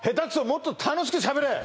もっと楽しくしゃべれ！」